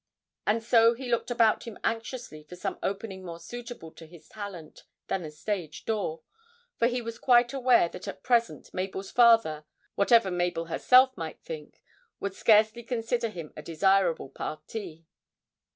And so he looked about him anxiously for some opening more suitable to his talent than the stage door, for he was quite aware that at present Mabel's father, whatever Mabel herself might think, would scarcely consider him a desirable parti.